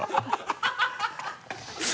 ハハハ